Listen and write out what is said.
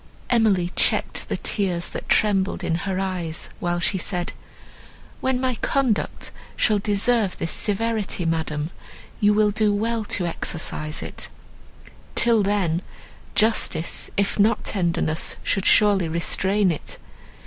Emily checked the tears, that trembled in her eyes, while she said, "When my conduct shall deserve this severity, madam, you will do well to exercise it; till then justice, if not tenderness, should surely restrain it.